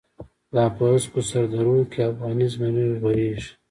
لا په هسکو سر درو کی، افغانی زمری غوریږی